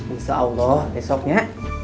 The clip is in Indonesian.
insya allah besoknya